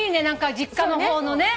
実家の方のね。